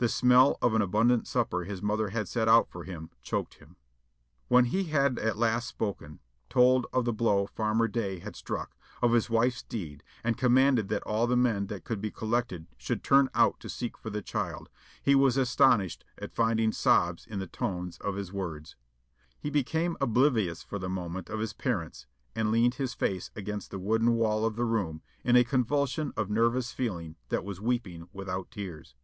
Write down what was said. The smell of an abundant supper his mother had set out for him choked him. When he had at last spoken told of the blow Farmer Day had struck, of his wife's deed, and commanded that all the men that could be collected should turn out to seek for the child he was astonished at finding sobs in the tones of his words. He became oblivious for the moment of his parents, and leaned his face against the wooden wall of the room in a convulsion of nervous feeling that was weeping without tears.